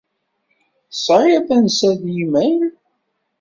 Tesεiḍ tansa n yimayl?